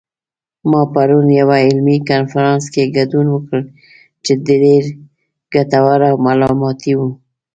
ما پرون یوه علمي کنفرانس کې ګډون وکړ چې ډېر ګټور او معلوماتي و